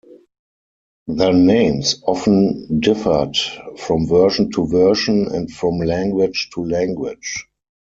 Their names often differed from version to version and from language to language.